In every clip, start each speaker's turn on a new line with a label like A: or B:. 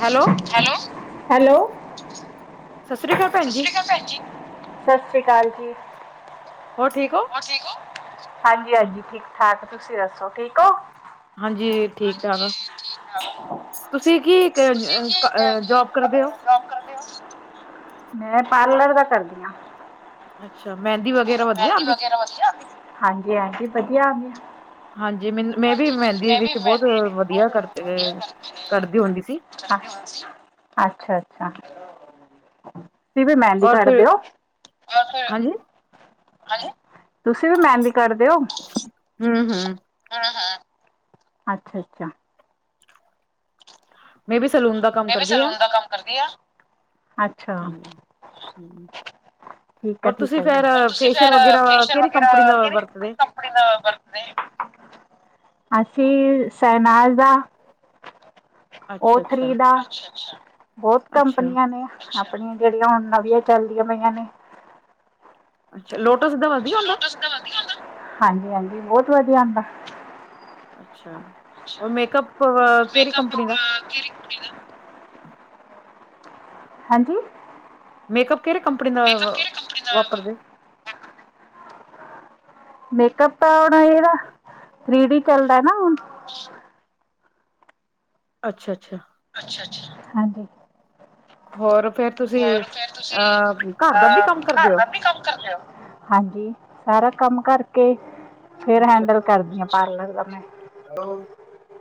A: Hello.
B: Hello
A: ਸ੍ਰੀ ਅਕਾਲ ਭੈਣ
B: ਸਤਿ
A: ਜੀ
B: ਸ਼੍ਰੀ ਅਕਾਲ ਭੈਣ ਜੀ। ਸਤਿ ਸ੍ਰੀ ਅਕਾਲ ਜੀ।
A: ਹੋਰ ਠੀਕ ਹੋ?
B: ਠੀਕ ਹੋ ਹਾਂਜੀ ਹਾਂਜੀ ਠੀਕ ਠਾਕ ਤੁਸੀਂ ਦੱਸੋ ਠੀਕ ਹੋ।
A: ਹਾਂਜੀ ਠੀਕ ਠਾਕ। ਤੁਸੀਂ ਕੀ
B: ਤੁਸੀਂ ਕੀਮ ਕਰਦੇ
A: ਜੋਬ ਕਰਦੇ
B: ਹੋ? ਮੈਂ ਪਾਰਲਰ ਦਾ ਕਰਦੀ ਹਾਂ।
A: ਅੱਛਾ ਮਹਿੰਦੀ ਵਗੈਰਾ ਵ
B: ਕੀ ਹੋਗਿਆ ਨਾ ਵਧੀਆ ਹਾਂਜੀ ਹਾਂਜੀ ਵਧੀਆ।
A: ਹਾਂਜੀ ਮੈਨ ਮੈਂ ਵੀ ਮਹਿੰਦੀ ਵਿਚ ਬੋਤ ਵਧੀਆ ਕਰ ਕਡਦੀ ਹੁੰਦੀ ਸੀ।
B: ਅੱਛਾ, ਅੱਛਾ। ਤੁ ਵੀ ਮਹਿੰਦੀ
A: ਔਰ
B: ਕਢ
A: ਫਿਰ
B: ਦਿਓ?
A: ਹਾਂਜੀ
B: ਤੁਸੀਂ ਵੀ ਮੈਦੀਂ ਕਡਦੇ ਉ
A: ਹੂੰ ਹੂੰ
B: ਹੈਂ ਹੈਂ ਅੱਛਾ ਅੱਛਾ।
A: ਮੈਂ ਵੀ ਸਲੂਨ ਦਾ ਕੰਮ
B: ਮੈਂ ਵੀ
A: ਕਰਦੀ
B: ਸਲੂਨ ਦਾ ਕੰਮ ਕਰਦੀ ਆਂ।
A: ਹਾਂ ਹਮ।
B: ਠੀਕ ਹੈ
A: ਔਰ
B: ਠੀਕ
A: ਤੁਸੀਂ
B: ਹੈ
A: ਫੇਰ
B: ਅਰ ਤੁਸੀ
A: ਫੇਸ਼ੀਅਲ
B: ਜੈਰਾ
A: ਵਗੈਰਾ
B: ਫੇਸ਼ਈਅਰ
A: ਕਿਹੜੀ
B: ਵਗੈਰਾ
A: ਕੰਪਨੀ ਦਾ
B: ਕੇਰੇ
A: ਵਰਤਦੇ
B: ਕਮ ਨ ਬਰਤ ਅਸੀਂ ਸਹਿਨਾਜ਼ ਦਾ। ਓ
A: ਅੱਛਾ ਅੱਛਾ।
B: ਥ੍ਰੀ ਬਹੁਤ
A: ਅੱਛਾ
B: ਕੰਪਨੀਆਂ ਨੇ ਆਪਣੀਆਂ ਜਿਹੜੀਆਂ ਹੁਣ ਨਵੀਆਂ ਚੱਲਦੀਆਂ ਪਈਆਂ ਨੇ
A: ਅੱਛਾ ਲੋਟਸ ਦੇ
B: ਲੋਟਸ ਦਾ ਵਧੀਆ ਹੁੰਦਾ? ਹਾਂਜੀ ਹਾਂਜੀ ਬੋਤ ਵਧੀਆ ਆਂਦਾ।
A: ਅੱਛਾ,
B: ਅੱਛਾ
A: ਔਰ ਮੇਕਅਪ ਵਾ ਆ ਕਿਹੜੀ ਕੰਪਨੀ ਦਾ?
B: [inaudible] ਹਾਂਜੀ
A: ਮੇਕਅਪ ਕਿਹੜੀ ਕੰਪਨੀ ਦਾ ਵਾਰਤਦੇ?
B: ਮੇਅਕਪ ਤਾਂ ਹੁਣ ਇਹਦਾ ਥਰੀ ਡੀ ਚੱਲਦਾ ਨਾ ਹੁਣ। ਹਮ
A: ਅੱਛਾ ਅੱਛਾ।
B: ਅੱਛਾ ਅੱਛਾ, ਹਾਂਜੀ।
A: ਹੋਰ ਫੇਰ ਤੁਸੀਂ
B: ਹੋਰ ਫੇਰ ਤੁਸੀਂ
A: ਅਹ ਘਰ ਦਾ ਵੀ
B: ਅਹ
A: ਕੰਮ ਕਰਦੇ
B: ਘਰ
A: ਹੋ
B: ਦਾ ਵੀ ਕੰਮ ਕਰਦੇ ਹੋ? ਹਾਂਜੀ, ਸਾਰਾ ਕੰਮ ਕਰਕੇ ਫੇਰ ਹੈਂਡਲ ਕਰਦੀ ਹਾਂ ਪਾਰਲਰ ਦਾ ਮੈਂ।
A: ਉਹ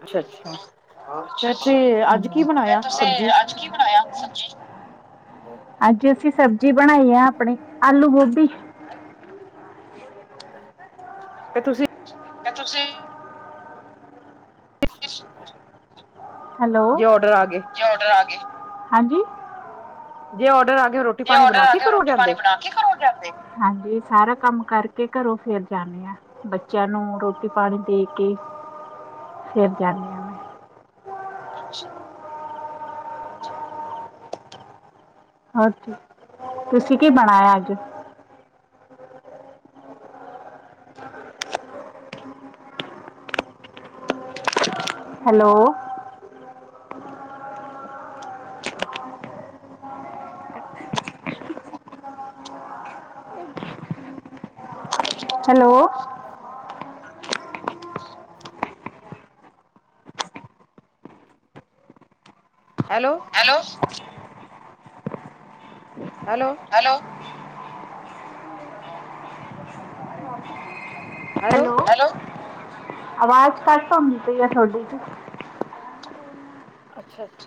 A: ਅੱਛਾ। ਫੇਰ
B: ਅੱਛਾ
A: ਤੁਸੀਂ ਅੱਜ ਕੀ
B: ਹਾਂਜੀ ਫੇਰ
A: ਬਣਾਇਆ
B: ਤੁਸੀਂ
A: ਸਬਜ਼ੀ
B: ਅੱਜ ਕੀ ਬਣਾਇਆ ਸਬਜੀ ਵਿੱਚ? ਅੱਜ ਅਸੀਂ ਸਬਜ਼ੀ ਬਣਾਈ ਆ ਆਪਣੀ ਆਲੂ ਗੋਭੀ।
A: ਫਿਰ ਤੁਸੀਂ।
B: ਤੇ ਤੁਸੀਂ ਹੈਲੋ
A: ਜੇ ਔਡਰ ਆ ਗਏ
B: ਕਿਆ ਆਰਡਰ ਆ ਗਏ ਹਾਂਜੀ।
A: ਜੇ ਆਰਡਰ ਆ ਗਿਆ। ਰੋਟੀ
B: ਜੇ
A: ਪਾਣੀ
B: ਆਰਡਰ
A: ਬਣਾ
B: ਆ
A: ਕੇ
B: ਗਿਆ
A: ਘਰੋਂ
B: ਰੋਟੀ ਪਾਣੀ
A: ਜਾਂਦੇ
B: ਬਣਾ। ਕੀ ਕੰਮ ਕਰਦੇ? ਹਾਂਜੀ ਸਾਰਾ ਕੰਮ ਕਰਕੇ ਘਰੋਂ ਫੇਰ ਜਾਂਨੀ ਆ। ਬੱਚਿਆਂ ਨੂੰ ਰੋਟੀ ਪਾਣੀ ਦੇ ਕੇ ਫਿਰ ਜਾਂਦੀ ਆ। ਮੈਂ ਹੋਰੀ ਤੁਸੀਂ ਕੀ ਬਣਾਇਆ ਅੱਜ? Hello. Hello.
A: Hello.
B: Hello.
A: Hello hello.
B: ਆਵਾਜ਼ ਕੱਟ ਹੁੰਦੀ ਹੈ ਤੁਹਾਡੀ।
A: ਅੱਛਾ ਜੀ।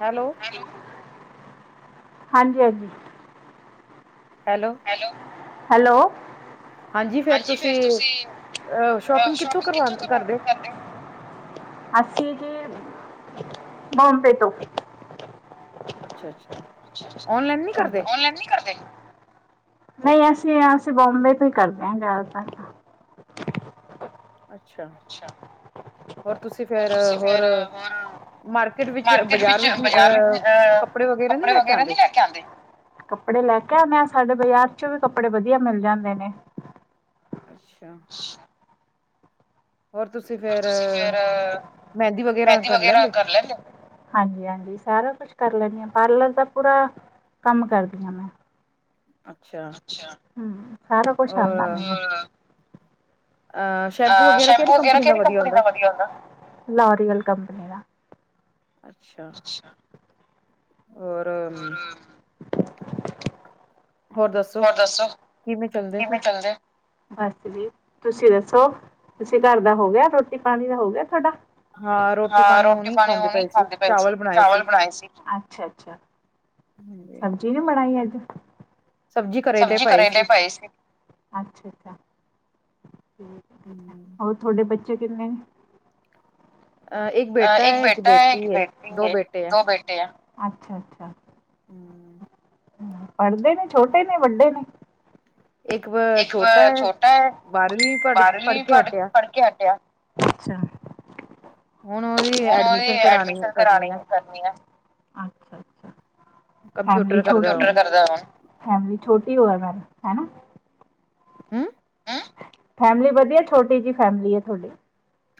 A: ਹੈਲੋ।
B: ਹਾਂਜੀ ਹਾਂਜੀ।
A: Hello
B: hello, hello. ਹਾਂਜੀ ਫੇਰ ਤੁਸੀਂ ਅ ਸ਼ੋਪਿੰਗ ਕਿੱਥੋਂ ਕਰਵਾ ਕਰਦੇ ਹੋ। ਅਸੀਂ ਜੀ ਬੋੰਬੇ ਤੋਂ।
A: ਅੱਛਾ ਅੱਛਾ ਔਨਲਾਈਨ ਨਹੀ ਕਰਦੇ?
B: ਆਨਲਾਈਨ ਨਹੀਂ ਕਰਦੇ, ਨਹੀਂ ਅਸੀਂ ਅਸੀਂ ਬੋਬੇ ਤੋਂ ਹੀ ਕਰਦੇ ਹਾਂ ਜ਼ਿਆਦਾਤਰ।
A: ਅੱਛਾ
B: ਹੋਰ, ਤੁਸੀਂ ਫੇਰ ਹੁਣ।
A: ਮਾਰਕੀਟ ਵਿੱਚ
B: ਮਾਰਕੀਟ
A: ਬਾਜ਼ਾਰ
B: ਵਿੱਚ ਬਜ਼ਾਰ ਵਿੱਚ ਅ
A: ਵਗੈਰਾ ਨਹੀਂ
B: ਕੱਪੜੇ
A: ਕੇ
B: ਵਗੈਰਾ ਨੀ ਲੈ ਕੇ ਆਉਂਦੇ। ਕੱਪੜੇ ਲੈ ਕੇ ਆਉਂਦੇ ਆ ਸਾਡੇ ਬਾਜ਼ਾਰ ਚੋਂ ਵੀ ਕੱਪੜੇ ਵਧੀਆ ਮਿਲ ਜਾਂਦੇ ਨੇ।
A: ਅੱਛਾ
B: ਹ
A: ਹੋਰ ਤੁਸੀਂ ਫੇਰ।
B: ਤੁਸੀ ਫੇਰ ਮਹਿੰਦੀ ਵਗੈਰਾ ਕਰ ਲੈਂਦੇ ਹੋ? ਹਾਂਜੀ, ਹਾਂਜੀ ਸਾਰਾ ਕੁਛ ਕਰ ਲੈਂਦੀ ਹਾਂ ਪਾਰਲਰ ਦਾ ਪੂਰਾ। ਕੰਮ ਕਰਦੀ ਹਾਂ ਮੈਂ। ਅੱਛਾ ਹਮ ਸਾਰਾ ਕੁਝ
A: ਔਰ
B: ਆਉਂਦਾ ਮੈਨੂੰ। ਅ ਸ਼ੈਂਪ ਵਗੈਰਾ ਕਿਹੜੀ ਕੰਪਨੀ ਦਾ ਵਧੀਆ ਹੁੰਦਾ ਲੋਰੀਅਲ ਕੰਪਨੀ ਦਾ।
A: ਅੱਛਾ, ਹੋਰ
B: ਹੋਰ ਹੋਰ ਦੱਸੋ,
A: ਕਿਵੇਂ ਚੱਲਦੇ
B: ਕਿਵੇਂ ਚੱਲਦੇ ਬਸ ਜੀ, ਤੁਸੀਂ ਦੱਸੋ ਤੁਸੀਂ ਘਰ ਦਾ ਹੋ ਗਿਆ ਰੋਟੀ-ਪਾਣੀ ਦਾ ਹੋ ਗਿਆ ਤੁਹਾਡਾ? ਹਾਂ, ਰੋਟੀ-ਪਾਣੀ ਉਹ ਹੀਂ ਖਾਂਦੇ ਪਏ ਸੀ ਚਾਵਲ ਬਣਾਏ ਸੀ, ਅੱਛਾ -ਅੱਛਾ।
A: [inaudible]
B: ਸਬਜੀ ਨਹੀਂ ਬਣਾਈ ਅੱਜ, ਸਬਜ਼ੀ ਕਰੇਲੇ ਪਏ ਸੀ।
A: ਹਮ
B: ਹੋਰ ਤੁਹਾਡੇ ਬੱਚੇ ਕਿੰਨੇ ਨੇ? ਇੱਕ ਬੇਟਾ ਹੈ ਇੱਕ ਬੇਟੀ ਹੈ, ਦੋ ਬੇਟੇ ਆ, ਅੱਛਾ-ਅੱਛਾ।
A: ਹੂੰ।
B: ਪੜ੍ਹਦੇ ਨੇ, ਛੋਟੇ ਨੇ ਵੱਡੇ ਨੇ। ਇੱਕ ਛੋਟਾ ਹੈ,
A: ਬਾਰਵੀਂ ਪੜ ਪੜ੍ਹ
B: ਬਾਰਵੀ
A: ਕੇ ਹਟਿਆ
B: ਪੜ-ਪੜ ਕੇ ਹਟਿਆ। ਅੱਛਾ,
A: ਹੁਣ ਉਹਦੀ
B: ਹੁਣ ਉਹਦੀ
A: ਕਰਾਣੀ
B: ਐਡਮਿਸ਼ਨ
A: ਕਰਨੀ
B: ਕਰਾਣੀ
A: ਆ
B: ਕਰਨੀ ਆ। [unintelligible] ਫੈਮਲੀ
A: ਕੰਪਿਊਟਰ ਕਰਦਾ ਹੁਣ
B: ਛੋਟੀ ਹੋਯਾ ਨਾ ਹੈਨਾ।
A: ਹੂੰ।
B: ਫੈਮਿਲੀ ਵਧੀਆ, ਛੋਟੀ ਜਿਹੀ ਫੈਮਿਲੀ ਹੈ ਤੁਹਾਡੀ।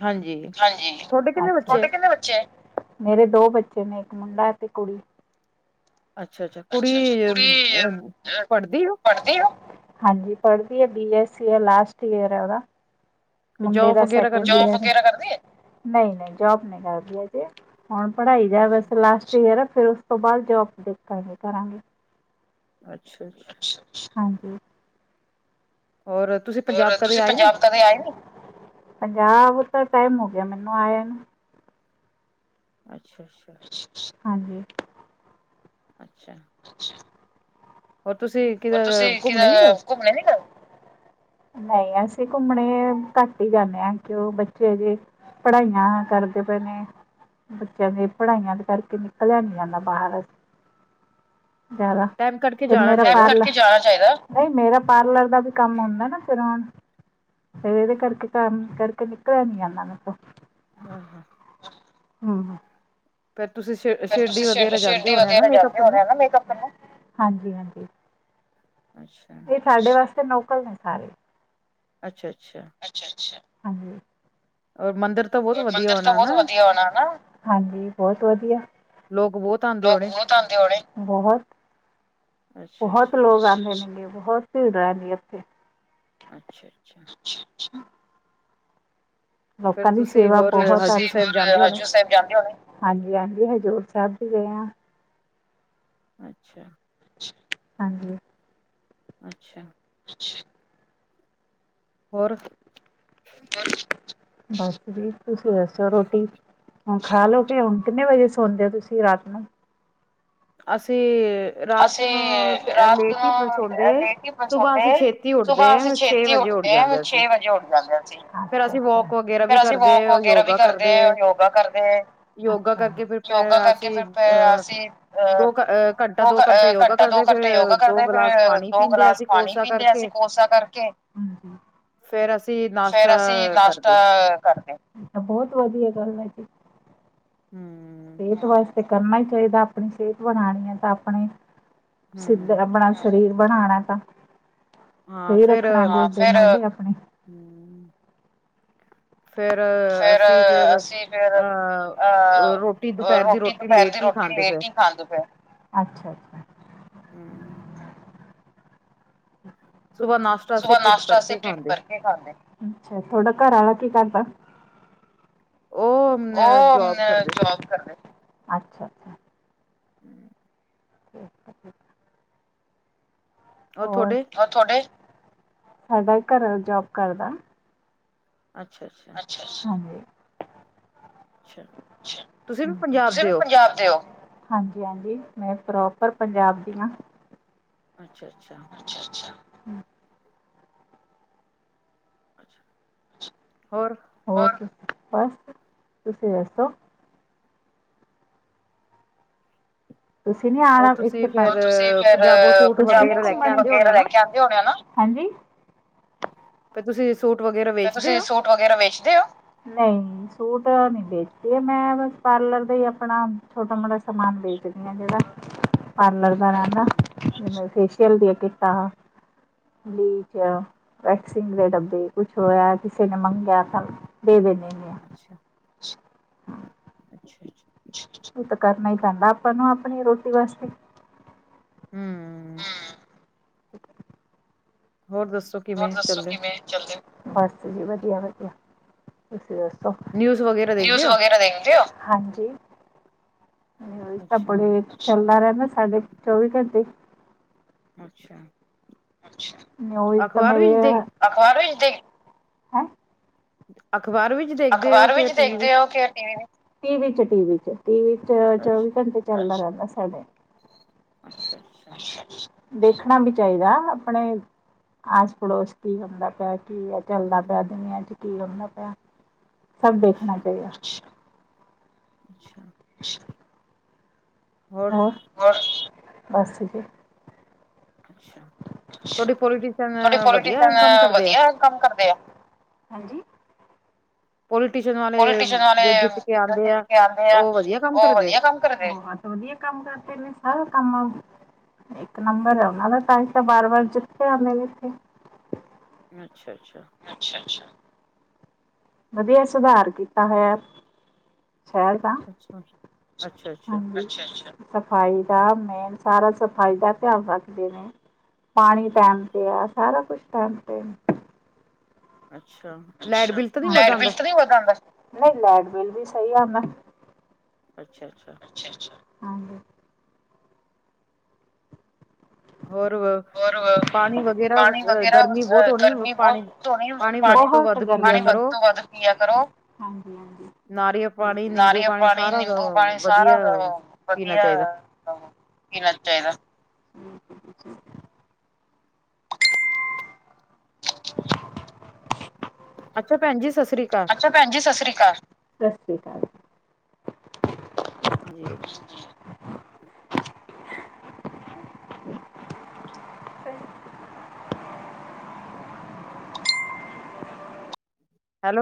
A: ਹਾਂਜੀ
B: ਹਾਂਜੀ,
A: ਤੁਹਾਡੇ ਕਿੰਨੇ
B: ਤੁਹਾਡੇ ਕਿੰਨੇ ਬੱਚੇ ਆ? ਮੇਰੇ ਦੋ ਬੱਚੇ ਨੇ ਇੱਕ ਮੁੰਡਾ ਤੇ ਕੁੜੀ।
A: ਅੱਛਾ ਅੱਛਾ ਕੁੜੀ
B: ਅੱਛਾ-ਅੱਛਾ, ਕੁੜੀ ਏ
A: ਪੜ੍ਹਦੀ ਉਹ
B: ਪੜ੍ਹਦੀ ਆ। ਹਾਂਜੀ, ਪੜ੍ਹਦੀ ਹੈ ਬੀ ਐੱਸਸੀ ਹੈ ਲਾਸਟ ਈਅਰ ਹੈ ਉਹਦਾ। ਮੁੰਡੇ
A: ਜੋਬ
B: ਦਾ
A: ਵਗੈਰਾ
B: ਸੈਕੰਡ
A: ਕਰਦੀ
B: ਇਅਰ,
A: ਹੈ
B: ਜੋਬ ਵਗੈਰਾ ਕਰਦੀ ਹੈ ਨਹੀਂ-ਨਹੀ ਜੋਬ ਨ ਕਰਦੀ ਏ ਅਜੇ। ਪੜ੍ਹਾਈ ਜਾ
A: ਅੱਛਾ
B: ਵੈਸੇ ਲਾਸਟ ਈਅਰ ਆ ਫਿਰਰ ਉਸ ਤੋਂ ਬਾਅਦ ਜੋ ਆਪ ਜੋਬ ਦੇਖਾਂਗੇ, ਕਰਾਂਗੇ।
A: ਅੱਛਾ। ਅੱਛਾ
B: ਹਾਂਜੀ।
A: ਔਰਤ
B: ਤੁਸੀਂ ਪੰਜਾਬ ਕਦੇ ਆਏ ਹੋ? ਪੰਜਾਬ ਦਾ ਟਾਈਮ ਹੋ ਗਿਆ ਮੈਨੂੰ ਆਯਾ ਨੂੰ।
A: ਅੱਛਾ-ਅੱਛਾ।
B: ਹਾਂਜੀ।
A: ਅੱਛਾ।
B: ਅੱਛਾ।
A: ਹੋਰ ਤੁਸੀਂ ਕਿਦਰ ਘੁੰਮਣੇ ਨੀ ਗਏ?
B: ਘੁੰਮਣੇ ਨੀ ਗਏ? ਨਹੀਂ, ਅਸੀਂ ਘੁੰਮਣੇ ਘੱਟ ਹੀ ਜਾਂਦੇ ਹਾਂ ਕਿ ਬੱਚੇ ਹਜੇ ਪੜ੍ਹਾਈਆਂ ਕਰਦੇ ਪਏ ਨੇ। ਬੱਚਿਆਂ ਦੀ ਪੜ੍ਹਾਈਆਂ ਦੇ ਕਰਕੇ ਨਿਕਲਿਆ ਨਹੀਂ ਜਾਂਦਾ ਬਾਹਰ।
A: [inaudible]
B: ਜ਼ਿਆਦਾ,
A: ਟਾਈਮ ਕੱਢ ਕੇ
B: ਫਿਰ
A: ਜਾਣਾ
B: ਮੇਰਾ
A: ਚਾਹੀਦਾ
B: ਪਾਰਲਰ ਨਹੀਂ ਮੇਰਾ ਪਾਰਲਰ ਦਾ ਵੀ ਕੰਮ ਹੁੰਦਾ ਨਾ। ਫਿਰ-ਫਿਰ ਇਹਦੇ ਕਰਕੇ ਕੰਮ ਕਰਕੇ ਨਿਕਲਿਆ ਨੀ ਜਾਂਦਾ ਮੇਰੇ ਤੋ।
A: ਹਾਂ-ਹਾਂ।
B: ਹੂੰ।
A: ਫਿਰ ਤੁਸੀਂ ਸ
B: ਫੇਰ ਤੁਸੀਂ ਸਿਰਠੀ ਵਗੈਰਾ ਜਾਂਦੇ ਹੋਣੇ ਮੇਕਪ ਕਰਨੇ ਹਾਂਜੀ।
A: ਅੱਛਾ।
B: ਇਹ ਸਾਡੇ ਵਾਸਤੇ ਲੋਕਲ ਨੇ ਸਾਰੇ।
A: ਅੱਛਾ-ਅੱਛਾ।
B: ਅੱਛਾ-ਅੱਛਾ, ਹਾਂਜੀ।
A: ਔਰ ਮੰਦਿਰ ਤਾਂ ਬਹੁਤ ਵਧੀਆ
B: ਮੰਦਿਰ ਤਾਂ
A: ਹੋਣਾ
B: ਬਹੁਤ
A: ਨਾ
B: ਵਧਿਆ ਹੋਣਾ ਨਾ, ਹਾਂਜੀ ਬਹੁਤ ਵਧੀਆ।
A: ਲੋਕ ਬਹੁਤ ਆ
B: ਲੋਕ ਬਹੁਤ ਆਂਦੇ ਹੋਣੇ, ਬਹੁਤ।
A: ਅੱਛਾ
B: ਬਹੁਤ
A: ਅੱਛਾ
B: ਲੋਕ ਆਉਂਦੇ ਨੇਗੇ, ਬਹੁਤ ਭੀੜ ਰਹਿੰਦੀ ਉੱਥੇ।
A: ਅੱਛਾ-ਅੱਛਾ।
B: ਅੱ ਅੱਛਾ [unintelligible]
A: ਫੇਰ
B: ਲੋਕਾਂ ਦੀ
A: ਤੁਸੀਂ
B: ਸੇਵਾ
A: ਹੋਰ
B: ਬਹੁਤ [unintelligible]
A: ਹਜ਼ੂਰ ਜਾਂਦੇ ਹੋਣੇ
B: ਸਾਹਿਬ ਜਾਂਦੇ ਹੋ। ਹਾਂਜੀ, ਹਾਂਜੀ ਹਜ਼ੂਰ ਸਾਹਿਬ ਵੀ ਗਏ ਹਾਂ।
A: ਅੱਛਾ।
B: ਹਾਂਜੀ।
A: ਅੱਛਾ।
B: ਅੱਛਾ।
A: ਹੋਰ।
B: ਬਸ ਜੀ, ਤੁਸੀਂ ਦੱਸੋ ਰੋਟੀ? ਹ ਖਾ ਲਓ, ਕੇ ਹੁਣ ਕਿੰਨੇ ਵਜੇ ਸੋਂਦੇ ਹੋ ਤੁਸੀਂ ਰਾਤ ਨੂੰ?
A: ਅਸੀਂ। ਰਾਤ ਨੂੰ
B: ਅਸੀਂ, ਰਾਤ
A: ਲੇਟ ਹੀ ਸੌਦੇ
B: ਨੂੰ ਲੇਟ ਹੀ
A: ਸੁਬਾਹ
B: ਸੋਂਦੇ
A: ਅਸੀਂ
B: ਹ
A: ਛੇਤੀ ਉੱਠਦੇ
B: ਸੁਬਾਹ ਅਸੀਂ
A: ਛੇ
B: ਛੇਤੀ
A: ਵਜੇ
B: ਉੱਠ ਇਹ
A: ਜਾਂਦੇ ਅਸੀਂ
B: ਛੇ ਵਜੇ ਉੱਠ ਜਾਂਦੇ ਅਸੀ,
A: ਫੇਰ ਅਸੀਂ ਵੋਕ ਵਗੈਰਾ ਵੀ
B: ਫੇਰ ਅਸੀਂ
A: ਕਰਦੇ
B: ਵੋਕ ਵਗੈਰਾ ਵੀ
A: ਯੋਗਾ
B: ਕਰਦੇ ਯੋਗਾ ਕਰਦੇ
A: ਯੋਗਾ ਕਰਕੇ ਫਿਰ
B: ਯੋਗਾ ਕਰਕੇ,
A: ਅਸੀਂ
B: ਫਿਰ
A: ਅਹ
B: ਅਸੀਂ ਅਹ
A: ਦੋ ਕ ਅ
B: ਦੋ ਘ ਘੰਟਾ ਦੋ ਘੰਟਾ ਯੋਗਾ ਕਰਦੇ
A: ਗਿਲਾਸ
B: ਫੇਿਰ
A: ਪਾਣੀ
B: ਦੋ
A: ਪੀਂਦੇ
B: ਗਲਾਸ
A: ਅਸੀਂ
B: ਪਾਣੀ
A: ਕੋਸਾ
B: ਪੀਂਦੇ, ਅਸੀਂ
A: ਕਰਕੇ
B: ਕੋਸਾ ਕਰਕੇ।
A: ਫੇਰ ਅਸੀਂ ਨਾਸ਼ਤਾ
B: ਫੇਰ, ਅਸੀਂ ਲਾਸਟ
A: ਕਰਦੇ
B: ਕਰਦੇ। ਆ, ਬਹੁਤ ਵਧੀਆ ਗੱਲ ਹੈ।
A: ਹਮ
B: ਸਿਹਤ ਵਾਸਤੇ ਕਰਨਾ ਹੀ ਚਾਹੀਦਾ, ਆਪਣੀ ਸਿਹਤ ਬਣਾਉਣੀ ਹੈ ਤਾਂ ਆਪਣੇ ਸਿੱਧ
A: ਹਮ
B: ਆਪਣਾ ਸਰੀਰ ਬਣਾਉਣਾ ਤਾਂ।
A: ਹਾਂ,
B: ਸਹੀ
A: ਫੇਿਰ
B: ਰੱਖਣਾ
A: ਹਮ।
B: ਗੋਡੇ ਮੋਢੇ ਆਪਣੇ
A: ਫੇਰ
B: ਫਿਰ,
A: ਅਸੀਂ ਫੇਰ
B: ਅਸੀਂ ਫੇਰ ਅਹ,
A: ਰੋਟੀ ਦੁਪਹਿਰ ਦੀ
B: ਰੋਟੀ ਦੁਪਰ ਦੀ
A: ਲੇਟ ਹੀ
B: ਰੋਟੀ
A: ਖਾਂਦੇ ਫੇਰ
B: ਲੇਟ ਹੀ ਖਾਂ ਦ ਫ
A: ਹਮ। ਸੁਬਾਹ ਨਾਸ਼ਤਾ ਅਸੀਂ
B: ਸ਼ਗੋ
A: ਢਿੱਡ
B: ਨਾਸ਼ਤਾ
A: ਭਰ
B: ਅਸੀ
A: ਕੇ
B: ਢਿੱਡ
A: ਖਾਂਦੇ
B: ਭਰ ਕੇ ਖਾਂਦੇ। ਤਾਡਾ ਘਰ ਆਾਲਾ ਕੀ ਕਰਦਾ?
A: ਉਹ ਜੋਬ ਕਰਦੇ।
B: ਕਰਦੇ। ਅੱਛਾ, ਅੱਛਾ।
A: ਹਮ। [unintelligible]
B: ਠੀਕ। [unintelligible]
A: ਉਹ
B: ਹੋਰ,
A: ਤੁਹਾਡੇ
B: ਹੋਰ ਥਾਡੇ? ਸਾਡਾ ਘਰਆਲਾ ਜੋਬ ਕਰਦਾ।
A: ਅੱਛਾ, ਅੱਛਾ।
B: ਹ [unintelligible]
A: ਅੱਛਾ ਤੁਸੀਂ ਵੀ ਪੰਜਾਬ
B: ਤੁਸੀਂ
A: ਦੇ
B: ਵੀ
A: ਹੋ
B: ਪੰਜਾਬ ਦੇ ਹੋ? ਹਾਂਜੀ, ਹਾਂਜੀ ਮੈਂ ਪ੍ਰੋਪਰ ਪੰਜਾਬ ਦੀ ਹਾਂ।
A: ਅੱਛਾ, ਅੱਛਾ।
B: ਅੱਛਾ, ਅੱਛਾ।
A: ਹੋਰ?
B: ਹੋਰ, ਬਸ ਤੁਸੀਂ ਦੱਸੋ? ਤੁਸੀਂ ਨੀ
A: ਉਹ
B: ਆਣਾ?
A: ਤੁਸੀਂ
B: ਇਥੇਮੈ
A: ਫੇਰ ਪੰਜਾਬੋ ਸੂਟ ਵਗੈਰਾ ਲੈ ਕੇ ਆਉਂਦੇ ਹੋਣੇ ਆ ਨਾ
B: [unintelligible] [unintelligible] ਹਾਂਜੀ।
A: ਤੇ ਤੁਸੀਂ ਸੂਟ ਵਗੈਰਾ
B: ਤੇ
A: ਵੇਚਦੇ
B: ਤੁਸੀਂ
A: ਹੋ
B: ਸੂਟ ਵਗੈਰਾ ਵੇਚਦੇ ਹੋ? ਸੂਟ ਨੀ ਵੇਚਦੀ, ਮੈਂ ਬ ਪਾਰਲਰ ਦਾ ਹੀ ਆਪਣਾ ਛੋਟਾ ਮੋਟਾ ਸਮਾਨ ਵੇਚਦੀ ਹਾਂ ਜਿਹੜਾ ਪਾਰਲਰ ਦਾ ਰਹਿਦਾ। [unintelligible] ਫੇਸ਼ੀਅਲ ਦੀਆਂ ਕਿਟਾਂ, ਬਲੀਚ ਵੈਕਸਿੰਗ ਦੇ ਡੱਬੇ। ਕੁਛ ਹੋਇਆ, ਕਿਸੇ ਨੇ ਮੰਗਿਆ ਤਾਂ ਦੇ ਦੇਦੇ।
A: ਅੱਛਾ, ਅੱਛਾ, ਅੱਛਾ।
B: ਤ ਕਰਨਾ ਹੀ ਪੈਂਦਾ, ਆਪਾਂ ਨੂੰ ਆਪਣੀ ਰੋਟੀ ਵਾਸਤੇ।
A: ਹੂ ਹੋਰ ਦੱਸੋ।
B: ਹੋਰ
A: ਕਿਵੇਂ
B: ਦੱਸੋ
A: ਚੱਲਦੇ
B: ਕਿਵੇ ਚੱਲੇ ਔ, ਜੀ ਵਧੀਆ ਵਧੀਆ ਤੁਸੀਂ ਦੱਸੋ,
A: ਨਿਊਜ਼ ਵਗੈਰਾ
B: ਨਿਊਜ਼
A: ਦੇਖਦੇ ਹੋ
B: ਵਗੈਰਾ ਦੇਖਦੇ ਹੋ, ਹਾਂਜੀ ਤਾਂ
A: ਅੱਛਾ
B: ਬੜੇ ਚੱਲਦਾ ਰਹਿੰਦਾ ਸਾਡੇ ਚੌਵੀ ਘੰਟੇ।
A: ਅੱਛਾ।
B: ਅੱਛਾ, ਔ ਹੀ ਤਾਂ
A: ਅਖ਼ਬਾਰ
B: ਮੇਰੇ
A: ਵਿੱਚ ਦੇਖ
B: ਅਖਬਾਰ
A: ਹ [unintelligible] ਅਖ਼ਬਾਰ ਵਿੱਚ ਦੇਖਦੇ ਹੋ
B: ਅਖਬਾਰ
A: ਕਿ
B: ਵਿਚ
A: ਟੀਵੀ ਵਿੱਚ?
B: ਦੇਖਦੇ ਓ ਕਿ ਟੀਵੀ, ਟੀਵੀ ਚ ਟੀਵੀ ਚ
A: ਅੱਛਾ,
B: ਚੌਵੀ ਘੰਟੇ ਚਲਦਾ ਰਹਿੰਦਾ ਸਾਡੇ
A: ਅੱਛਾ ਅੱਛਾ।
B: ਦੇਖਣਾ ਵੀ ਚਾਹੀਦਾ, ਆਪਣੇ ਆਸ ਪੜੋਸ ਕੀ ਹੁੰਦਾ ਪਿਆ ਕੀ ਹੈ ਚੱਲਦਾ
A: ਹੂੰ।
B: ਪਿਆ ਦੁਨੀਆਂ ਚ, ਕੀ ਹੁੰਦਾ ਪਿਆ, ਸਭ ਦੇੇਖਣਾ
A: ਅੱਛਾ,
B: ਚਾਹੀਦਾ
A: ਅੱਛਾ।
B: ਅੱਛਾ। ਹੋਰ ਬਸ ਠੀਕ ਐ
A: ਅੱਛਾ, ਤੁਹਾਡੀੇ
B: ਤੁਹਾਡੇ
A: ਪੋਲੀਟੀਸ਼ਨਅ ਵਧੀਆ
B: ਪੋਲੀਟੀਸ਼ਨ
A: ਕੰਮ ਕਰਦੇ ਆ
B: ਵਧੀਆ ਕੰਮ ਕਰਦੇ ਐ, ਹਾਂਜੀ
A: ਪੋਲੀਟੀਸ਼ਨ
B: ਪੋਲੀਟੀਸ਼ਨ
A: ਜੋ
B: ਵਾਲੇ,
A: ਜਿੱਤ ਕੇ
B: ਜੋ
A: ਆਂਦੇ
B: ਜਿੱਤ
A: ਆ
B: ਕੇ ਆਉਂਦੇ ਆ
A: ਵਧੀਆ ਕੰਮ
B: ਉਹ
A: ਕਰਦੇ?
B: ਵਧੀਆ ਕੰਮ। ਬਹੁਤ ਵਧੀਆ ਕੰਮ ਕਰਦੇ ਨੇ, ਸਾਰਾ ਕੰਮ ਆ। ਇੱਕ ਨੰਬਰ ਹੈ ਉਹਨਾ ਦਾ, ਤਾ ਹੀ ਤਾਂ ਬਾਰ ਵਾਰ ਜਿੱਥੇ ਆਉਦੇ ਨੇਥੇ।
A: ਅੱਛਾ ਅੱਛਾ।
B: ਅੱਛਾ ਅੱਛਾ। ਵਧੀਆ ਸੁਧਾਰ ਕੀਤਾ ਹੋਇਆ ਸ਼ੈਦ ਹਾਂ,
A: ਅੱਛਾ। ਅੱਛਾ, ਅੱਛਾ,
B: ਹਾਂਜੀ ਸਫ਼ਾਈ ਦਾ, ਮੇਨ ਸਾਰਾ ਸਫ਼ਾਈ ਦਾ ਧਿਆਨ ਰੱਖਦੇ ਨੇ। ਪਾਣੀ ਟਾਈਮ ਤੇ ਆ, ਸਾਰਾ ਕੁਛ ਟਾਈਮ ਤੇ
A: ਅੱਛਾ। ਲਾਈਟ ਬਿੱਲ ਤਾਂ ਨੀ ਵੱਧ
B: ਲਾਈਟ ਬਿਲ
A: ਆਂਦਾ?
B: ਤੇ ਨੀ ਵੱਧ ਆਂਦਾ, ਨਹੀਂ ਲਾਈਟ ਬਿਲ ਵੀ ਸਹੀ ਆਂਦਾ
A: ਅੱਛਾ ਅੱਛਾ।
B: ਅੱਛਾ ਅੱਛਾ ਹਾਂਜੀ
A: ਹੋਰ ਵ
B: ਹੋਰ। ਪਾਣੀ ਵਗੈਰਾ
A: ਗਰਮੀ ਬਹੁਤ
B: ਅ
A: ਹੋਣੀ
B: ਗਰਮੀ
A: ਪਾਣੀ
B: ਬਹੁਤ ਧੋਣੀ,
A: ਪਾਣੀ ਵੱਧ ਤੋਂ ਵੱਧ ਪੀਆ
B: ਪਾਣੀ ਵੱਧ
A: ਕਰੋ।
B: ਤੋਂ ਵੱਧ। ਪਿਆ ਕਰੋ, ਹਾਂਜੀ ਹਾਂਜੀ
A: ਨਾਰੀਅਲ ਪਾਣੀ, ਨਿੰਬੂ
B: ਨਾਰੀਅਲ ਪਾਣੀ,
A: ਸਾਰਾ
B: ਨਿੰਬੂ ਪਾਣੀ, ਸਾਰਾ
A: ਵਧੀਆ ਪੀਣਾ
B: ਵਧੀਆ।
A: ਚਾਹੀਦਾ।
B: ਹਾ ਹਾ ਪੀਣਾ ਚਾਹੀਦਾ [unintelligible]
A: ਅੱਛਾ ਭੈਣ ਜੀ ਸਤਿ ਸ੍ਰੀ ਅਕਾਲ
B: ਅੱਛਾ ਭੈਣਜੀ ਸਤਿ ਸ਼੍ਰੀ ਅਕਾਲ, ਸਤਿ ਸ਼੍ਰੀ ਅਕਾਲ
A: ਹਾਂਜੀ ਹਾਂਜੀ
B: [unintelligible]
A: ਹੈਲੋ